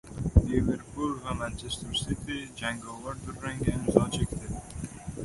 "Liverpul" va "Manchester Siti" jangovar durangga imzo chekishdi